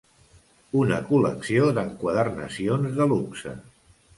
Una col·lecció d'enquadernacions de luxe.